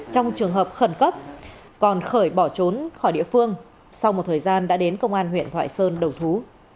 trong trường hợp khẩn cấp còn khởi bỏ trốn khỏi địa phương sau một thời gian đã đến công an huyện thoại sơn đầu thú